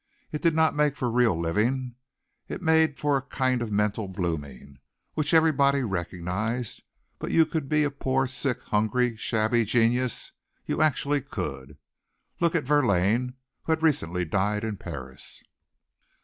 It did not make for real living. It made for a kind of mental blooming, which everybody recognized, but you could be a poor, sick, hungry, shabby genius you actually could. Look at Verlaine, who had recently died in Paris.